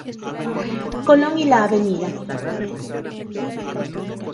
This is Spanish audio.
Colón y la Av.